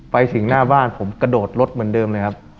ไปถึงหน้าบ้านผมกระโดดรถเหมือนเดิมเลยครับ